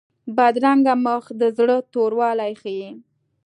بدرنګه مخ د زړه توروالی ښيي